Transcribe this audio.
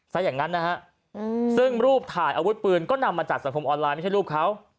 ซะอย่างนั้นนะฮะซึ่งรูปถ่ายอาวุธปืนก็นำมาจากสังคมออนไลน์ไม่ใช่รูปเขา